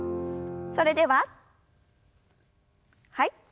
それでははい。